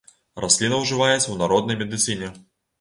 Расліна ўжываецца ў народнай медыцыне.